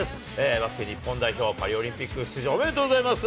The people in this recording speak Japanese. バスケ日本代表、パリオリンピック出場、おめでとうございます。